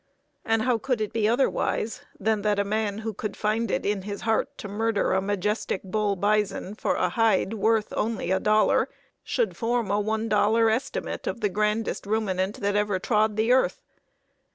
And how could it be otherwise than that a man who could find it in his heart to murder a majestic bull bison for a hide worth only a dollar should form a one dollar estimate of the grandest ruminant that ever trod the earth?